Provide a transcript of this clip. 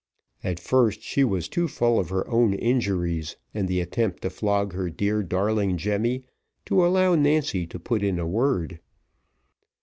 At first she was too full of her own injuries, and the attempt to flog her dear darling Jemmy, to allow Nancy to put in a word.